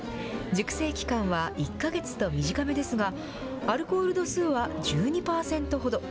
熟成期間は１か月と短めですが、アルコール度数は１２％ほど。